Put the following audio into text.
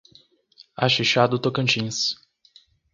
Axixá do Tocantins